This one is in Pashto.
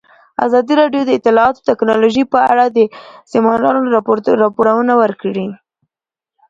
ازادي راډیو د اطلاعاتی تکنالوژي په اړه د سیمینارونو راپورونه ورکړي.